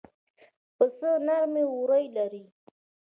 پسه نرمې وړۍ لري.